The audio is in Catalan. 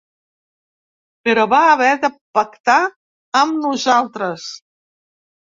Però va haver de pactar amb nosaltres.